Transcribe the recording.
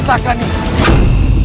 ada apa yang tadi rasakan